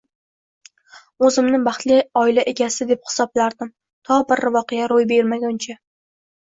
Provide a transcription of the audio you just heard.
O'zimni baxtli oila egasi deb hisoblardim, to bir voqea ro'y bergunicha